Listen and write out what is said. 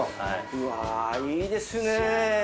うわぁいいですね。